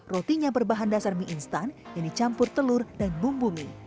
rotinya berbahan dasar mie instan yang dicampur telur dan bumbu mie